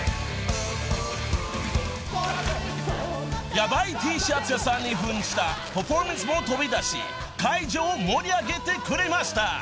［ヤバイＴシャツ屋さんに扮したパフォーマンスも飛び出し会場を盛り上げてくれました。